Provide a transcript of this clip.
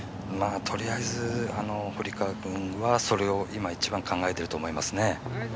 とりあえず堀川君は今それを一番考えていると思いますね。